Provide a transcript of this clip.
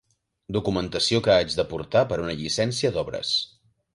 Documentació que haig de portar per una llicència d'obres.